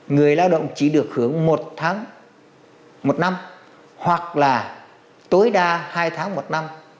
người lao động chỉ được hưởng một tháng một năm hoặc là tối đa hai tháng một năm